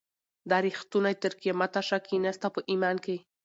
دا ریښتونی تر قیامته شک یې نسته په ایمان کي